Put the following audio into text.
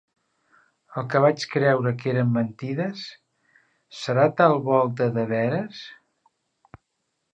El que vaig creure que eren mentides, serà tal volta de veres?